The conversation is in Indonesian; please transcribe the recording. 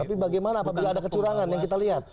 tapi bagaimana apabila ada kecurangan yang kita lihat